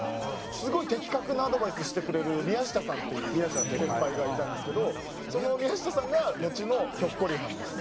すごい的確なアドバイスしてくれる宮下さんっていう先輩がいたんですけどその宮下さんがのちのひょっこりはんです。